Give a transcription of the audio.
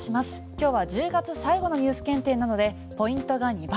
今日は１０月最後のＮＥＷＳ検定なのでポイントが２倍。